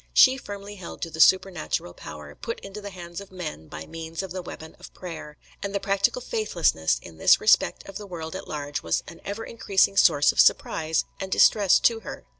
She firmly held to the supernatural power, put into the hands of men by means of the weapon of prayer; and the practical faithlessness in this respect of the world at large was an ever increasing source of surprise and distress to her.